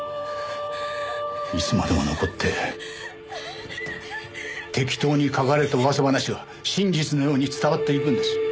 いつまでも残って適当に書かれた噂話が真実のように伝わっていくんです。